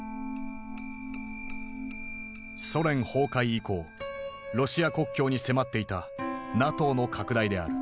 ソ連崩壊以降ロシア国境に迫っていたＮＡＴＯの拡大である。